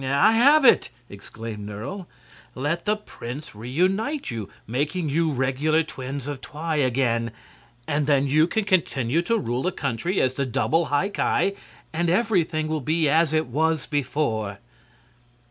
"I have it!" exclaimed Nerle. "Let the prince reunite you, making you regular twins of Twi again, and then you can continue to rule the country as the double High Ki, and everything will be as it was before."